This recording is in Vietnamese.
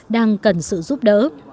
đang cần sự giúp đỡ